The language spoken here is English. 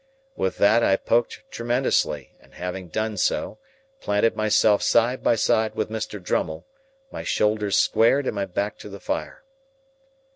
With that, I poked tremendously, and having done so, planted myself side by side with Mr. Drummle, my shoulders squared and my back to the fire.